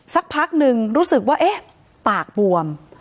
สักพักหนึ่งรู้สึกว่าเอ๊ะปากบวม